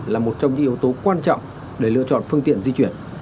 là một trong những yếu tố quan trọng để lựa chọn phương tiện di chuyển